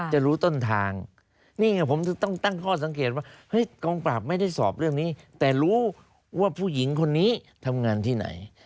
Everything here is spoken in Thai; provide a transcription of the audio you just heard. เฮ้ยกองปราบไม่ได้สอบเรื่องนี้แต่รู้ว่าผู้หญิงคนนี้ทำงานที่ไหน